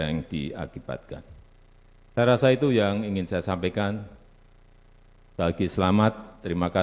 pihak yang melakukan pelanggaran semuanya harus bertanggung jawab atas kerugian negara